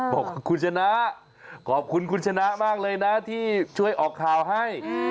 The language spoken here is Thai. บอกคุณชนะขอบคุณคุณชนะมากเลยนะที่ช่วยออกข่าวให้